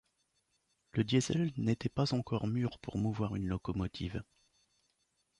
Le diesel n'était pas encore mûr pour mouvoir une locomotive.